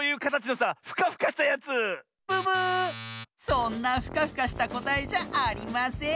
そんなフカフカしたこたえじゃありません。